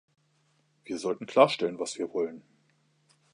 Wir sollten klarstellen, was wir wollen.